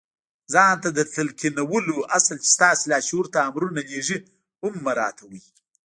ځان ته د تلقينولو اصل چې ستاسې لاشعور ته امرونه لېږي هم مراعتوئ.